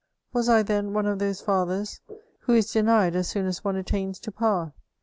Was I, then, one of those fathers who is denied as soon as one attains to power ?